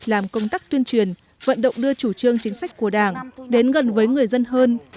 làm công tác tuyên truyền vận động đưa chủ trương chính sách của đảng đến gần với người dân hơn